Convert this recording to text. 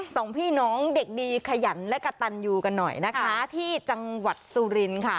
สองพี่น้องเด็กดีขยันและกระตันยูกันหน่อยนะคะที่จังหวัดสุรินค่ะ